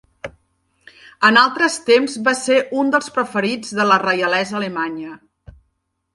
En altres temps va ser un del preferits de la reialesa alemanya.